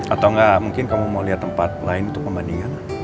atau enggak mungkin kamu mau lihat tempat lain untuk pembandingan